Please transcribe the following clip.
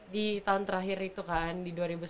di tahun terakhir itu kan di dua ribu sembilan belas